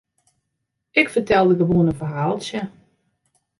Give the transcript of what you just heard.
Ik fertelde gewoan in ferhaaltsje.